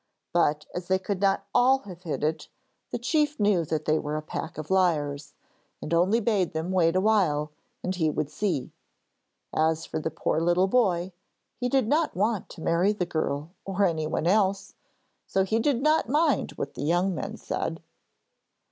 But as they could not all have hit it, the chief knew that they were a pack of liars and only bade them wait a while, and he would see. As for the poor little boy, he did not want to marry the girl or anyone else, so he did not mind what the young men said.